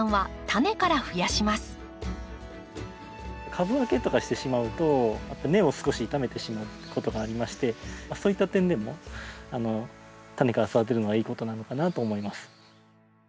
株分けとかしてしまうと根を少し傷めてしまうことがありましてそういった点でもタネから育てるのがいいことなのかなと思います。